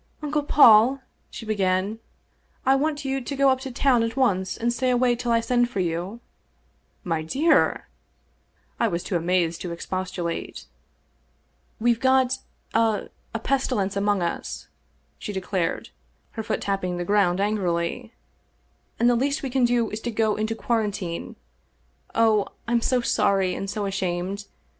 272 The Great Valdez Sapphire " Uncle Paul/' she began, " I want you to go up to town at once, and stay away till I send for you." " My dear — 1 " I was too amazed to expostulate. " We've got a — ^a pestilence among us," she declared, her foot tapping the ground angrily, " and the least we can do is to go into quarantine. Oh, I'm so sorry and so ashamed!